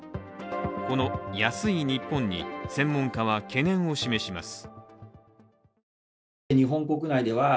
この、安い日本に、専門家は懸念を示します。